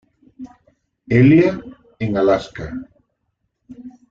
Elia, en Alaska.